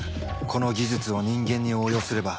この技術を人間に応用すれば。